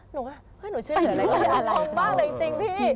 หนูก็ให้หนูช่วยเหลืออะไรเขางงมากเลยจริงพี่